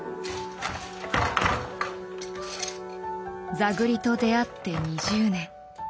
座繰りと出会って２０年。